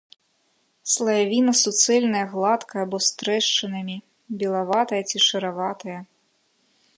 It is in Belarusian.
Слаявіна суцэльная гладкая або з трэшчынамі, белаватая ці шараватая.